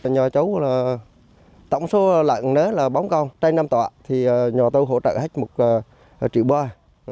nhờ châu là tổng số lợn đó là bóng con trái năm tọa thì nhờ tôi hỗ trợ hết một triệu boy